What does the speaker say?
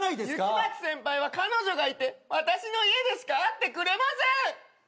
雪町先輩は彼女がいて私の家でしか会ってくれません！